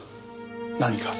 何か？